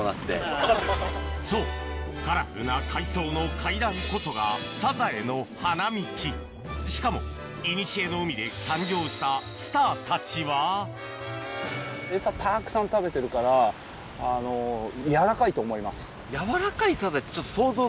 そうカラフルな海藻の階段こそがサザエの花道しかもいにしえの海で誕生したスターたちは柔らかいサザエって。